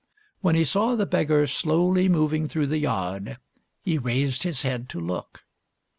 When he saw the beggar slowly moving through the yard, he raised his head to look.